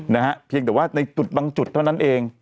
นะฮะเพียงแต่ว่าในจุดบางจุดเท่านั้นเอง